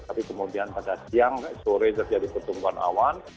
tapi kemudian pada siang sore terjadi pertumbuhan awan